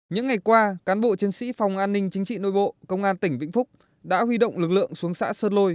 những ngày qua cán bộ chiến sĩ phòng an ninh chính trị nội bộ công an tỉnh vĩnh phúc đã huy động lực lượng xuống xã sơn lôi